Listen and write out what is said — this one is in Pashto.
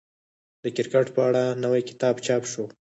د کرکټ په اړه نوی کتاب چاپ شو.